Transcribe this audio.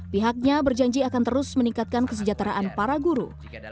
pihaknya berjanji akan terus meningkatkan kesejahteraan para guru